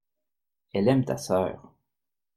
Elle aime ta sœur.